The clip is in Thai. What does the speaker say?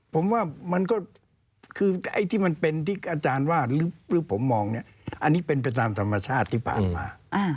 ผมว่ามันก็คือไอ้ที่มันเป็นที่อาจารย์ว่าหรือผมมองเนี่ยอันนี้เป็นไปตามธรรมชาติที่ผ่านมา